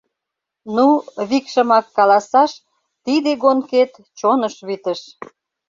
Ну, викшымак каласаш, тиде гонкет чоныш витыш!